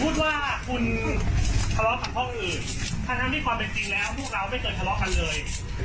ถ้าทำที่ความเป็นจริงแล้วพวกเราไม่เกิดทะเลาะกันเลย